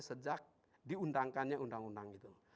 sejak diundangkannya undang undang gitu